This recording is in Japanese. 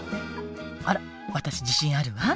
あら私自信あるわ。